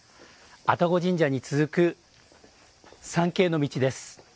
愛宕神社に続く参詣の道です。